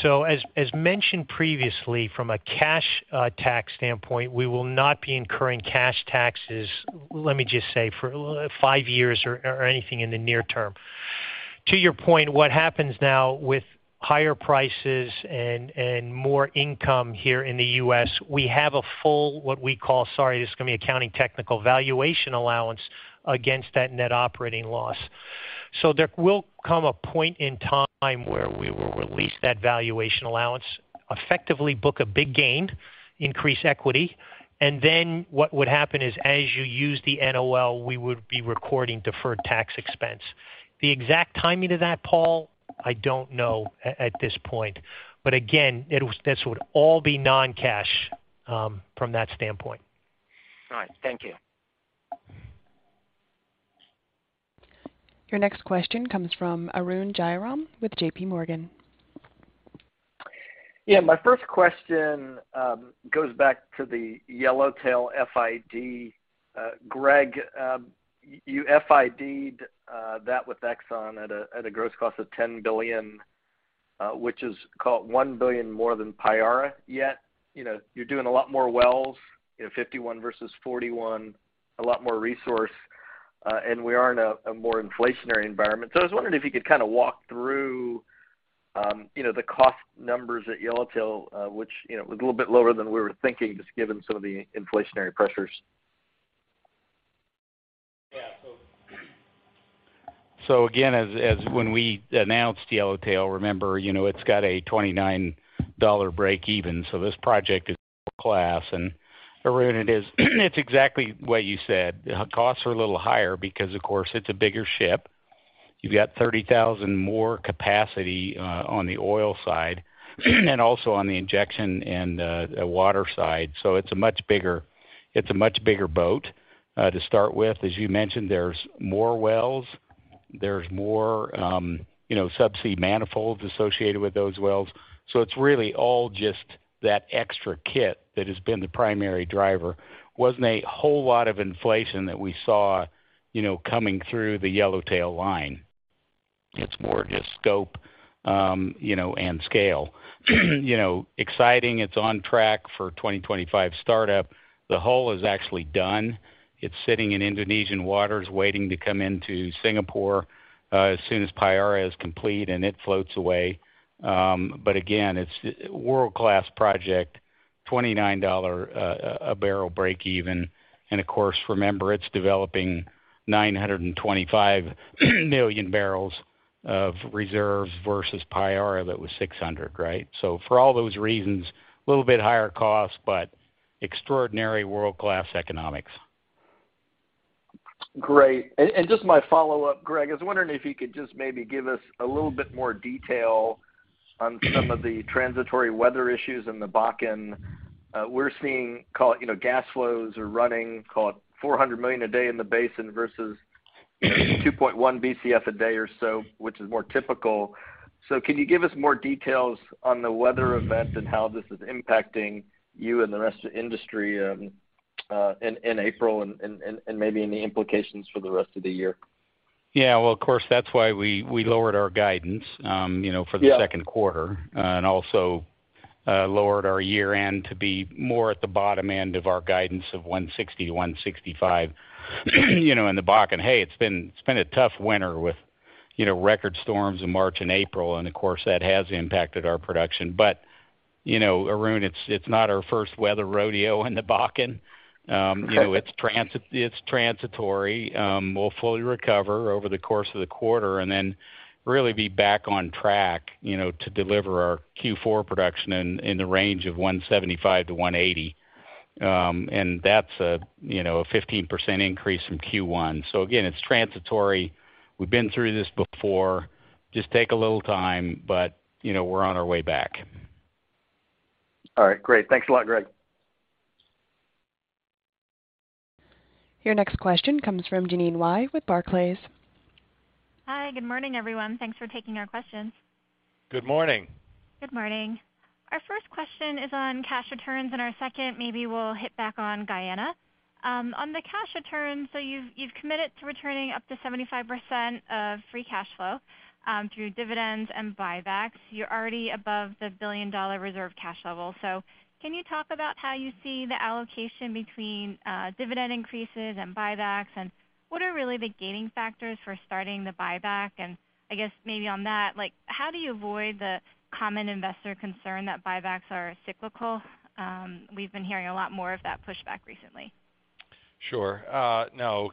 As mentioned previously, from a cash tax standpoint, we will not be incurring cash taxes, let me just say, for five years or anything in the near term. To your point, what happens now with higher prices and more income here in the U.S., we have a full, what we call, sorry, this is gonna be accounting technical valuation allowance against that net operating loss. There will come a point in time where we will release that valuation allowance, effectively book a big gain, increase equity. Then what would happen is, as you use the NOL, we would be recording deferred tax expense. The exact timing of that, Paul, I don't know at this point. Again, this would all be non-cash from that standpoint. All right. Thank you. Your next question comes from Arun Jayaram with J.P. Morgan. Yeah, my first question goes back to the Yellowtail FID. Greg, you FID'd that with ExxonMobil at a gross cost of $10 billion, which is, call it, $1 billion more than Payara. Yet, you know, you're doing a lot more wells, you know, 51 versus 41, a lot more resource, and we are in a more inflationary environment. I was wondering if you could kind of walk through, you know, the cost numbers at Yellowtail, which, you know, was a little bit lower than we were thinking, just given some of the inflationary pressures. Yeah. Again, as when we announced Yellowtail, remember, you know, it's got a $29 breakeven, this project is world-class. Arun, it is exactly what you said. Costs are a little higher because, of course, it's a bigger ship. You've got 30,000 more capacity on the oil side and also on the injection and the water side. It's a much bigger boat to start with. As you mentioned, there's more wells, you know, subsea manifolds associated with those wells. It's really all just that extra kit that has been the primary driver. Wasn't a whole lot of inflation that we saw, you know, coming through the Yellowtail line. It's more just scope, you know, and scale. You know, exciting. It's on track for 2025 startup. The hull is actually done. It's sitting in Indonesian waters waiting to come into Singapore, as soon as Payara is complete and it floats away. Again, it's world-class project, $29 a barrel breakeven. Of course, remember, it's developing 925 million barrels of reserves versus Payara. That was 600, right? For all those reasons, a little bit higher cost, but extraordinary world-class economics. Great. Just my follow-up, Greg, I was wondering if you could just maybe give us a little bit more detail on some of the transitory weather issues in the Bakken. We're seeing, call it, you know, gas flows are running, call it, 400 million a day in the basin versus, you know, 2.1 BCF a day or so, which is more typical. Can you give us more details on the weather event and how this is impacting you and the rest of the industry in April and maybe any implications for the rest of the year? Yeah. Well, of course, that's why we lowered our guidance, you know. Yeah For the second quarter, and also lowered our year-end to be more at the bottom end of our guidance of 160-165. You know, in the Bakken, it's been a tough winter with, you know, record storms in March and April, and of course, that has impacted our production. You know, Arun, it's not our first weather rodeo in the Bakken. You know, it's transitory. We'll fully recover over the course of the quarter and then really be back on track, you know, to deliver our Q4 production in the range of 175-180. That's a 15% increase from Q1. Again, it's transitory. We've been through this before. Just take a little time, but, you know, we're on our way back. All right, great. Thanks a lot, Greg. Your next question comes from Jeanine Wai with Barclays. Hi. Good morning, everyone. Thanks for taking our questions. Good morning. Good morning. Our first question is on cash returns, and our second maybe we'll hit back on Guyana. On the cash returns, you've committed to returning up to 75% of free cash flow through dividends and buybacks. You're already above the $1 billion reserve cash level. Can you talk about how you see the allocation between dividend increases and buybacks? And what are really the gaining factors for starting the buyback? And I guess maybe on that, like, how do you avoid the common investor concern that buybacks are cyclical? We've been hearing a lot more of that pushback recently. Sure. No,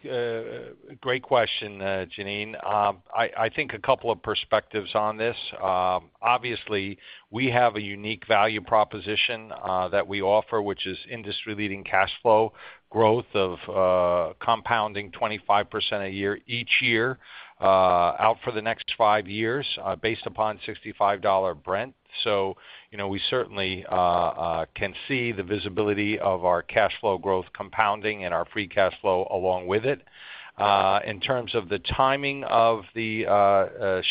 great question, Jeanine. I think a couple of perspectives on this. Obviously, we have a unique value proposition that we offer, which is industry-leading cash flow growth of compounding 25% a year each year out for the next five years based upon $65 Brent. You know, we certainly can see the visibility of our cash flow growth compounding and our free cash flow along with it. In terms of the timing of the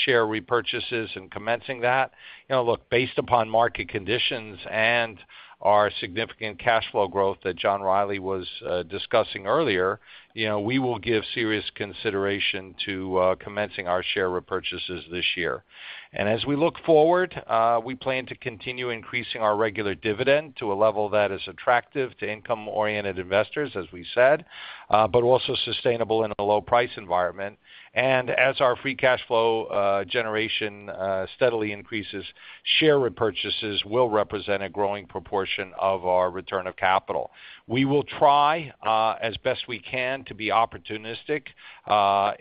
share repurchases and commencing that, you know, look, based upon market conditions and our significant cash flow growth that John Rielly was discussing earlier, you know, we will give serious consideration to commencing our share repurchases this year. As we look forward, we plan to continue increasing our regular dividend to a level that is attractive to income-oriented investors, as we said, but also sustainable in a low price environment. As our free cash flow generation steadily increases, share repurchases will represent a growing proportion of our return of capital. We will try, as best we can, to be opportunistic,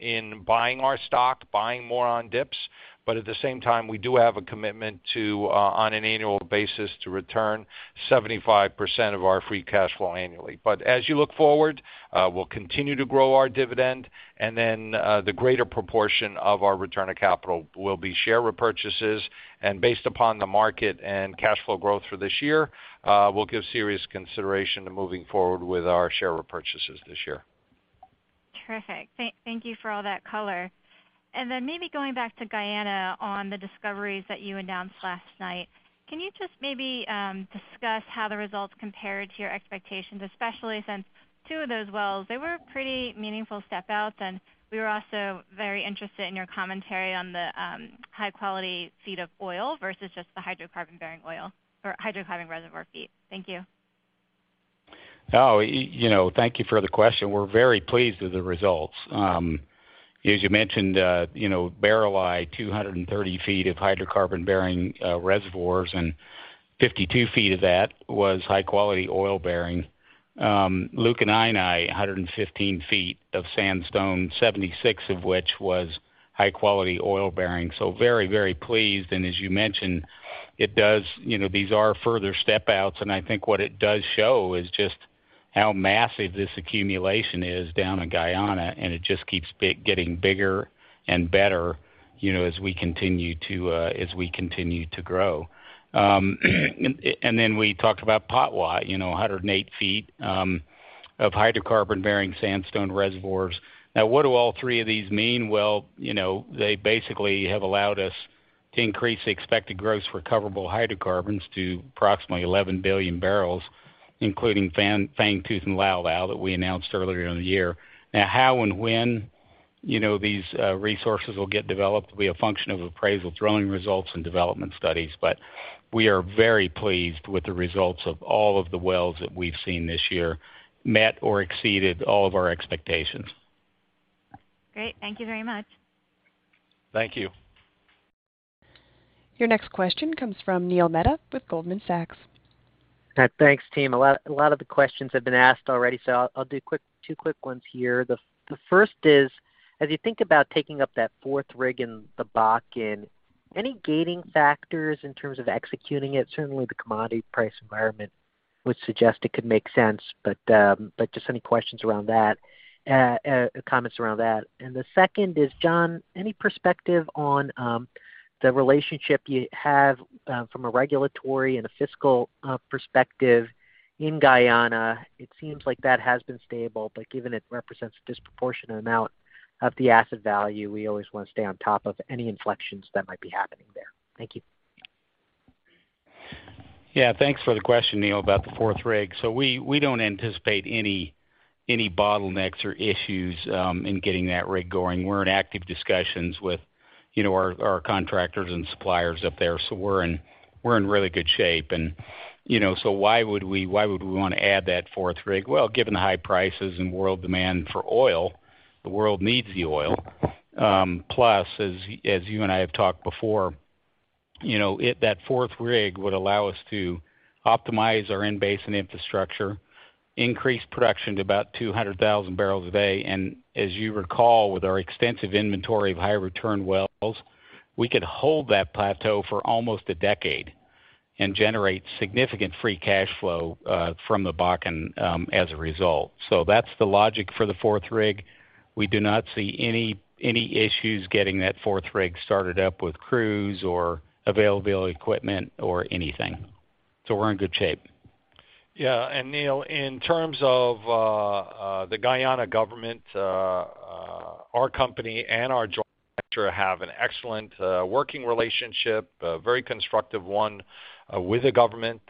in buying our stock, buying more on dips, but at the same time, we do have a commitment to, on an annual basis, to return 75% of our free cash flow annually. As you look forward, we'll continue to grow our dividend, and then, the greater proportion of our return of capital will be share repurchases. Based upon the market and cash flow growth for this year, we'll give serious consideration to moving forward with our share repurchases this year. Terrific. Thank you for all that color. Maybe going back to Guyana on the discoveries that you announced last night. Can you just maybe discuss how the results compared to your expectations, especially since two of those wells, they were a pretty meaningful step outs, and we were also very interested in your commentary on the high quality sweet oil versus just the hydrocarbon-bearing oil or hydrocarbon reservoir feet. Thank you. You know, thank you for the question. We're very pleased with the results. As you mentioned, you know, Barreleye, 230 feet of hydrocarbon-bearing reservoirs, and 52 feet of that was high-quality oil-bearing. Lukanani, 115 ft of sandstone, 76 ft of which was high quality oil-bearing, so very, very pleased. As you mentioned, you know, these are further step outs, and I think what it does show is just how massive this accumulation is down in Guyana, and it just keeps getting bigger and better, you know, as we continue to grow. Then we talked about Lau Lau, you know, 108 ft of hydrocarbon-bearing sandstone reservoirs. Now, what do all three of these mean? Well, you know, they basically have allowed us to increase the expected gross recoverable hydrocarbons to approximately 11 billion barrels, including Fan and Fangtooth and Lau Lau that we announced earlier in the year. Now, how and when, you know, these resources will get developed will be a function of appraisal, drilling results, and development studies. We are very pleased with the results of all of the wells that we've seen this year, met or exceeded all of our expectations. Great. Thank you very much. Thank you. Your next question comes from Neil Mehta with Goldman Sachs. Thanks, team. A lot of the questions have been asked already, so I'll do two quick ones here. The first is, as you think about taking up that fourth rig in the Bakken, any gating factors in terms of executing it? Certainly, the commodity price environment would suggest it could make sense, but just any questions around that, comments around that. The second is, John, any perspective on the relationship you have from a regulatory and a fiscal perspective in Guyana? It seems like that has been stable, but given it represents a disproportionate amount of the asset value, we always wanna stay on top of any inflections that might be happening there. Thank you. Yeah. Thanks for the question, Neil, about the fourth rig. We don't anticipate any bottlenecks or issues in getting that rig going. We're in active discussions with, you know, our contractors and suppliers up there, so we're in really good shape. You know, why would we wanna add that fourth rig? Well, given the high prices and world demand for oil, the world needs the oil. Plus, as you and I have talked before, you know, that fourth rig would allow us to optimize our in-basin infrastructure, increase production to about 200,000 bbl a day. As you recall, with our extensive inventory of high return wells, we could hold that plateau for almost a decade and generate significant free cash flow from the Bakken as a result. That's the logic for the fourth rig. We do not see any issues getting that fourth rig started up with crews or available equipment or anything. We're in good shape. Yeah. Neil, in terms of the Guyana government, our company and our joint venture have an excellent working relationship, a very constructive one with the government.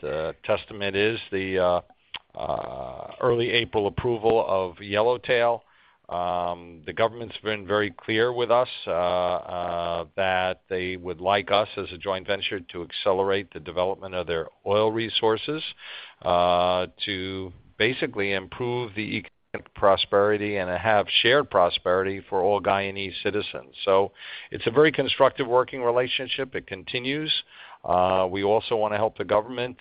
Testament is the early April approval of Yellowtail. The government's been very clear with us that they would like us as a joint venture to accelerate the development of their oil resources to basically improve the economic prosperity and have shared prosperity for all Guyanese citizens. It's a very constructive working relationship. It continues. We also wanna help the government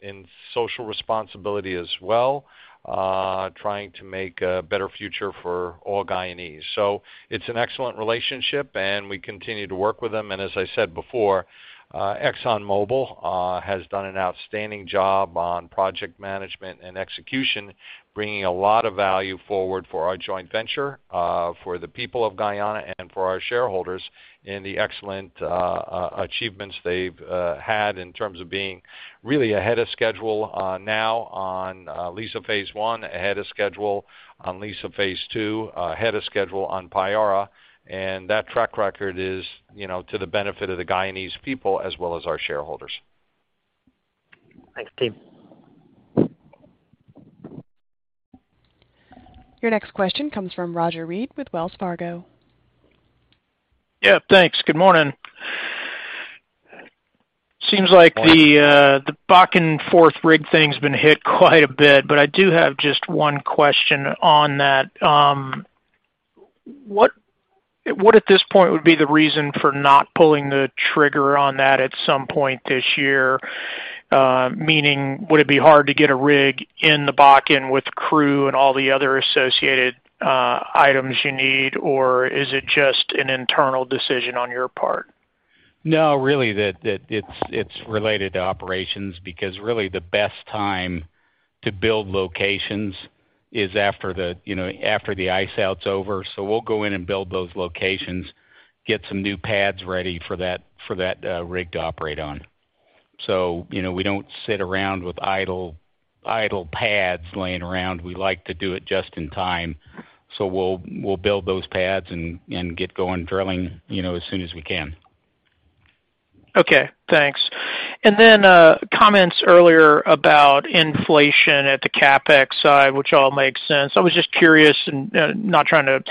in social responsibility as well, trying to make a better future for all Guyanese. It's an excellent relationship, and we continue to work with them. As I said before, ExxonMobil has done an outstanding job on project management and execution, bringing a lot of value forward for our joint venture, for the people of Guyana and for our shareholders in the excellent achievements they've had in terms of being really ahead of schedule, now on Liza phase I, ahead of schedule on Liza phase I, ahead of schedule on Payara. That track record is, you know, to the benefit of the Guyanese people as well as our shareholders. Thanks, team. Your next question comes from Roger Read with Wells Fargo. Yeah, thanks. Good morning. Seems like the Bakken fourth rig thing's been hit quite a bit, but I do have just one question on that. What at this point would be the reason for not pulling the trigger on that at some point this year? Meaning would it be hard to get a rig in the Bakken with crew and all the other associated items you need, or is it just an internal decision on your part? No, really it's related to operations because really the best time to build locations is after the ice out's over. We'll go in and build those locations, get some new pads ready for that rig to operate on. You know, we don't sit around with idle pads laying around. We like to do it just in time. We'll build those pads and get going drilling, you know, as soon as we can. Okay, thanks. Comments earlier about inflation at the CapEx side, which all makes sense. I was just curious and not trying to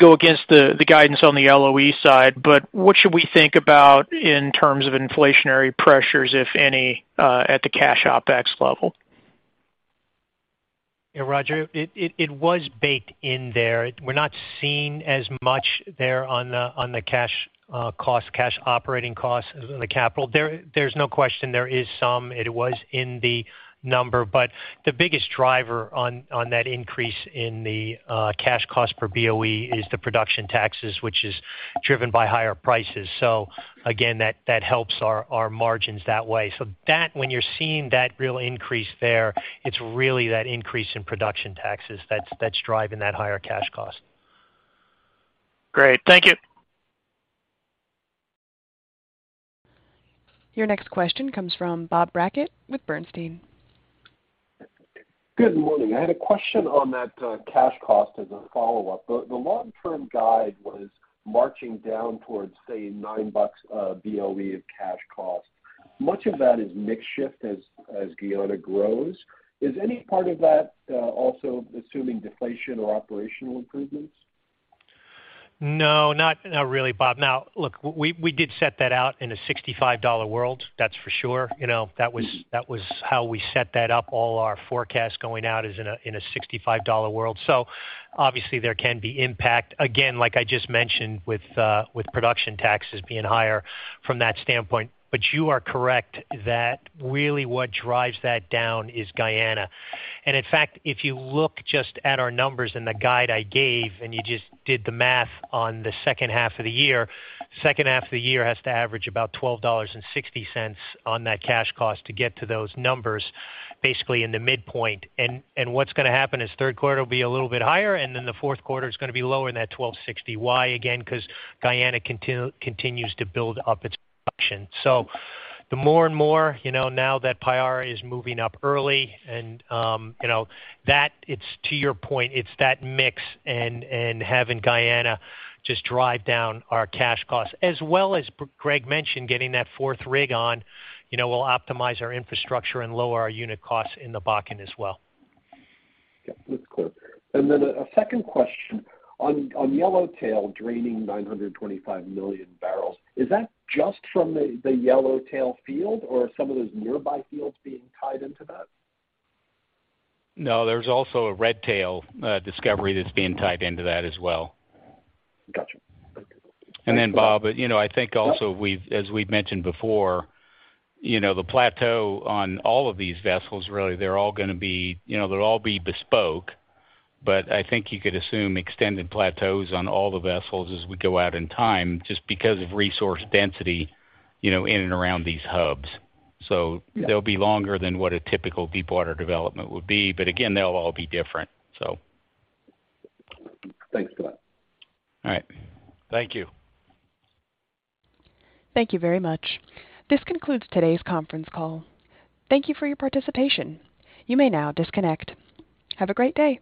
go against the guidance on the LOE side, but what should we think about in terms of inflationary pressures, if any, at the cash OpEx level? Yeah, Roger, it was baked in there. We're not seeing as much there on the cash cost, cash operating costs as in the capital. There's no question there is some, it was in the number, but the biggest driver on that increase in the cash cost per BOE is the production taxes, which is driven by higher prices. That helps our margins that way. When you're seeing that real increase there, it's really that increase in production taxes that's driving that higher cash cost. Great. Thank you. Your next question comes from Bob Brackett with Bernstein. Good morning. I had a question on that, cash cost as a follow-up. The long-term guide was marching down towards, say, $9/BOE cash cost. Much of that is mix shift as Guyana grows. Is any part of that also assuming deflation or operational improvements? No, not really, Bob. Now, look, we did set that out in a $65 world, that's for sure. You know, that was how we set that up. All our forecasts going out is in a $65 world. So obviously there can be impact, again, like I just mentioned with production taxes being higher from that standpoint. But you are correct that really what drives that down is Guyana. In fact, if you look just at our numbers and the guide I gave, and you just did the math on the second half of the year, second half of the year has to average about $12.60 on that cash cost to get to those numbers basically in the midpoint. What's gonna happen is third quarter will be a little bit higher, and then the fourth quarter is gonna be lower than that $12.60. Why? Again, 'cause Guyana continues to build up its production. The more and more, you know, now that Payara is moving up early and, you know, that it's to your point, it's that mix and having Guyana just drive down our cash costs as well as Greg mentioned, getting that fourth rig on, you know, will optimize our infrastructure and lower our unit costs in the Bakken as well. Yeah, that's clear. A second question. On Yellowtail draining 925 million barrels, is that just from the Yellowtail field or some of those nearby fields being tied into that? No, there's also a Redtail discovery that's being tied into that as well. Gotcha. Okay. Then Bob, you know, I think also as we've mentioned before, you know, the plateau on all of these vessels, really, they're all gonna be, you know, they'll all be bespoke, but I think you could assume extended plateaus on all the vessels as we go out in time just because of resource density, you know, in and around these hubs. They'll be longer than what a typical deepwater development would be, but again, they'll all be different. Thanks for that. All right. Thank you. Thank you very much. This concludes today's conference call. Thank you for your participation. You may now disconnect. Have a great day.